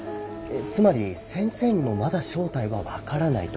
つまり先生にもまだ正体は分からないと？